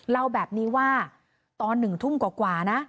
เล่าแบบนี้ว่าตอน๑ทุ่มกว่านะ